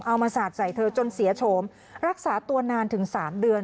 มาสาดใส่เธอจนเสียโฉมรักษาตัวนานถึง๓เดือน